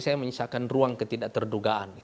saya menyisakan ruang ketidak terdugaan